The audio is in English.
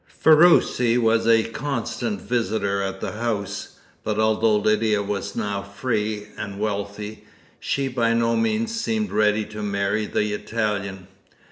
Ferruci was a constant visitor at the house; but although Lydia was now free, and wealthy, she by no means seemed ready to marry the Italian.